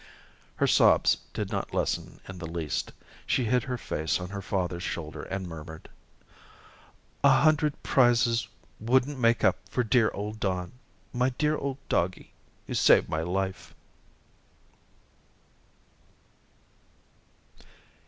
Her sobs did not lessen in the least. She hid her face on her father's shoulder and murmured: "A hundred prizes wouldn't make up for dear old Don, my dear old doggie who saved my life."